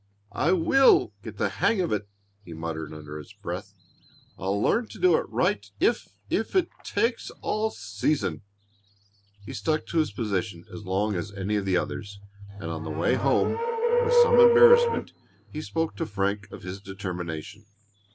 "I will get the hang of it!" he muttered under his breath. "I'll learn to do it right if if it takes all season!" He stuck to his position as long as any of the others, and on the way home, with some embarrassment, he spoke to Frank of his determination.